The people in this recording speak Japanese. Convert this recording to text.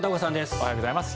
おはようございます。